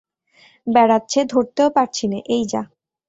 বেড়াচ্ছে, ধরতেও পারছিনে, এই যা।